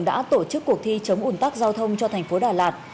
đã tổ chức cuộc thi chống ủn tắc giao thông cho thành phố đà lạt